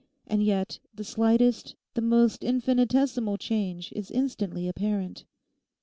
And yet the slightest, the most infinitesimal change is instantly apparent.